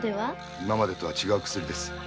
今までとは違う薬です。